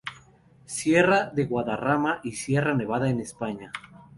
Sierra de Guadarrama y Sierra Nevada en España.